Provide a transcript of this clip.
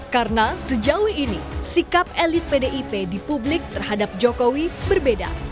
karena sejauh ini sikap elit pdip di publik terhadap jokowi berbeda